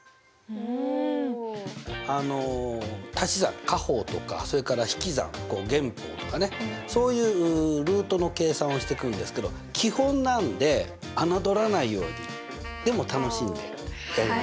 たし算加法とかそれから引き算減法とかねそういうルートの計算をしてくんですけど基本なんで侮らないようにでも楽しんでやりましょうね。